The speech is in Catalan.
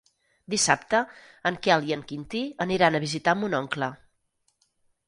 Dissabte en Quel i en Quintí aniran a visitar mon oncle.